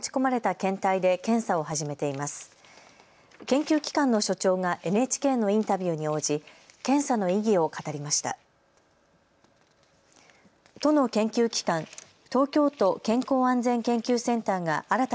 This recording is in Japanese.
研究機関の所長がＮＨＫのインタビューに応じ検査の意義を語りました。